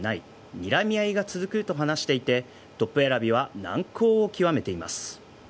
にらみ合いが続くと話していてトップ選びは難航を極めています。